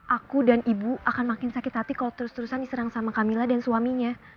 aku dan ibu akan makin sakit hati kalau terus terusan diserang sama kamila dan suaminya